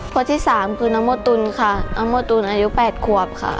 คนที่สามคือน้องโมตุลค่ะน้องโมตุลอายุ๘ขวบค่ะ